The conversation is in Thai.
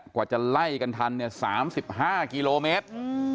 กว่าจะไล่กันทัน๓๕กิโลเมตร